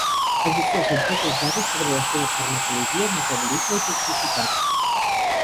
Existeixen poques dades sobre la seva farmacologia, metabolisme i toxicitat.